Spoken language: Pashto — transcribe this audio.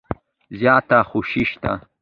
زیاته خوشي شته .